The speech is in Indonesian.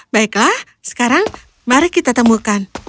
baiklah sekarang mari kita temukan